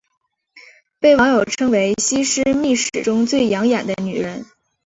被网友称为西施秘史中最养眼的女人。